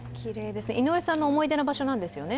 井上さんの思い出の場所なんですよね。